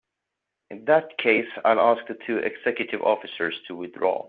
In that case I'll ask the two executive officers to withdraw.